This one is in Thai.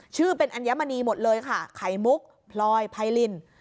ชื่อเป็นอัญมณีหมดเลยค่ะไขมุกพลอยไพริน